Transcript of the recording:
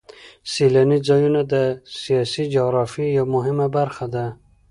سیلاني ځایونه د سیاسي جغرافیه یوه مهمه برخه ده.